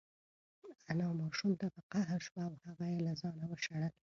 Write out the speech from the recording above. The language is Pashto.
انا ماشوم ته په قهر شوه او هغه یې له ځانه وشړل.